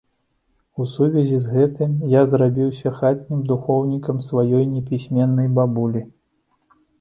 У сувязі з гэтым я зрабіўся хатнім духоўнікам сваёй непісьменнай бабулі.